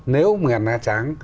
nếu ngành hải sản